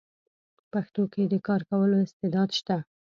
پښتو کې د کار کولو استعداد شته: